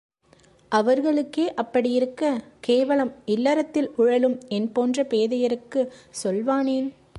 அவர்களுக்கே அப்படியிருக்க, கேவலம் இல்லறத்தில் உழலும் என்போன்ற பேதையர்க்குச் சொல்வானேன்!